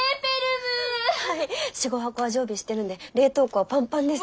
はい４５箱は常備してるんで冷凍庫はパンパンです。